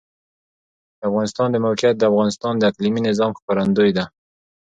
د افغانستان د موقعیت د افغانستان د اقلیمي نظام ښکارندوی ده.